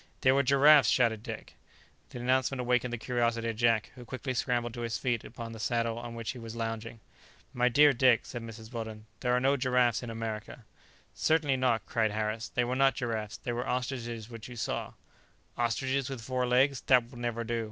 "They were giraffes!" shouted Dick. The announcement awakened the curiosity of Jack, who quickly scrambled to his feet upon the saddle on which he was lounging. "My dear Dick," said Mrs. Weldon, "there are no giraffes in America!" [Illustration: A herd of gazelles dashed past him like a glowing cloud.] "Certainly not," cried Harris; "they were not giraffes, they were ostriches which you saw!" "Ostriches with four legs! that will never do!